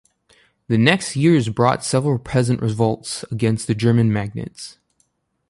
The next years brought several peasant revolts against the German magnates.